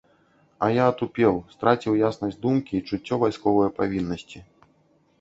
А я атупеў, страціў яснасць думкі і чуццё вайсковае павіннасці.